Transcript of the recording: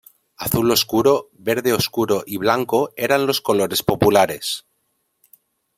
Azul oscuro, verde oscuro y blanco eran los colores populares.